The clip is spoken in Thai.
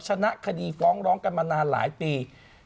ชนะคดีฟ้องร้องกันมานานหลายปี